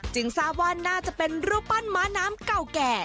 ทราบว่าน่าจะเป็นรูปปั้นม้าน้ำเก่าแก่